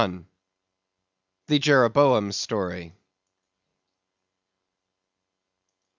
The Jeroboam's Story.